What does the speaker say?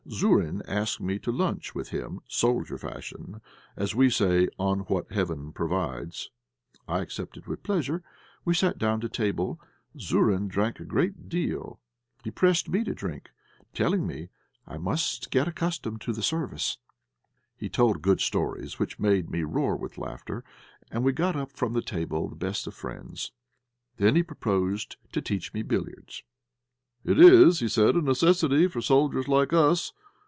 Zourine asked me to lunch with him, soldier fashion, and, as we say, on what Heaven provides. I accepted with pleasure; we sat down to table; Zourine drank a great deal, and pressed me to drink, telling me I must get accustomed to the service. He told good stories, which made me roar with laughter, and we got up from table the best of friends. Then he proposed to teach me billiards. "It is," said he, "a necessity for soldiers like us.